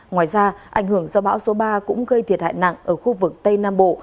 ngoài ra ảnh hưởng do bão số ba cũng gây thiệt hại nặng ở khu vực tây nam bộ